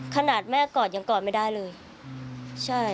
ขนาดแม่กอดยังกอดไม่ได้เลยใช่